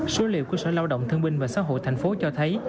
số liệu của sở lao động thương minh và xã hội tp cho thấy